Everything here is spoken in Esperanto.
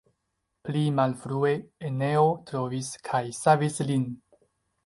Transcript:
Pli malfrue Eneo trovis kaj savis lin.